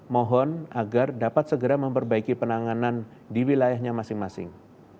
mohon agar dapat segera memperbaiki penanganan di wilayahnya masing masing